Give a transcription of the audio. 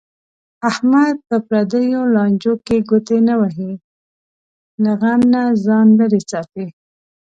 احمد په پردیو لانجو کې ګوتې نه وهي. له غم نه ځان لرې ساتي.